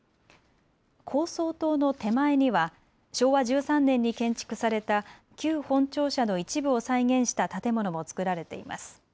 高層棟の手前には昭和１３年に建築された旧本庁舎の一部を再現した建物も造られています。